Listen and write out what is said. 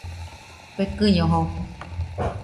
Fekɨño jofo.